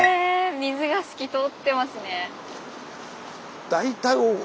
水が透き通ってますね。